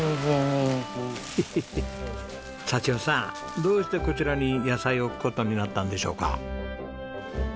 幸代さんどうしてこちらに野菜を置く事になったんでしょうか？